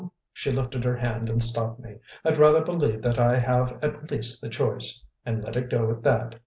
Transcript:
She lifted her hand and stopped me. "I'd rather believe that I have at least the choice and let it go at that."